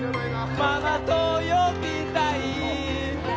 ママと呼びたい！